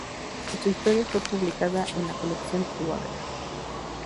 Su historia fue publicada en la colección "Water".